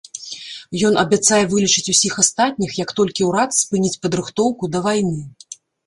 Ён абяцае вылечыць усіх астатніх, як толькі ўрад спыніць падрыхтоўку да вайны.